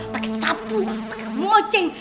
pake sapu pake kumoceng